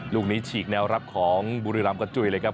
ลูกนี้ฉีกแนวรับของบุรีรำกระจุยเลยครับ